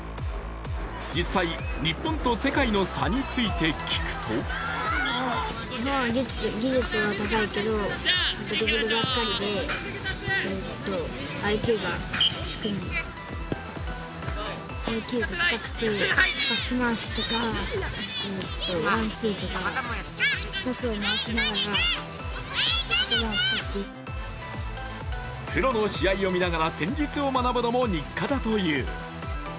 実際、日本と世界の差について聞くとプロの試合を見ながら戦術を学ぶのも日課だという。